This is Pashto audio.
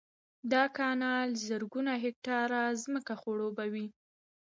دا کانال زرګونه هکټاره ځمکه خړوبوي